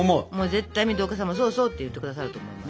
絶対水戸岡さんも「そうそう」って言って下さると思います。